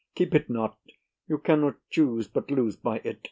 Keep it not; you cannot choose but lose by't.